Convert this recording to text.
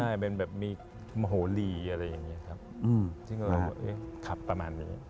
ใช่เป็นแบบมีโมโหลีอะไรอย่างนี้ครับซึ่งก็เอ๊ะขับประมาณนี้